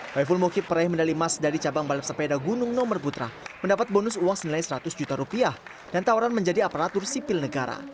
hoi fulmukib peraih medali emas dari cabang balap sepeda gunung nomor putra mendapat bonus uang senilai seratus juta rupiah dan tawaran menjadi aparatur sipil negara